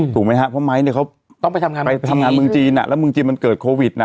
เพราะไม้เขาไปทำงานเมืองจีนแล้วเมืองจีนมันเกิดโควิด